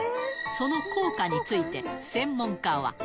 その効果について、専門家は。